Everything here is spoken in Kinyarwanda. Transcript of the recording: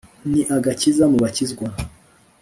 ni agakiza mu bakizwa